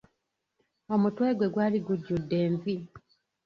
Omutwe gwe gwali gujjudde envi.